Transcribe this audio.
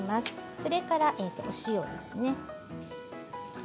それから、お塩です。